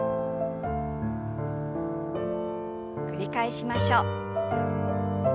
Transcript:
繰り返しましょう。